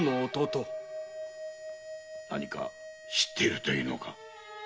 何か知っているというのか？